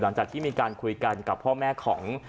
หลังจากที่มีการคุยกันกับพ่อแม่ของ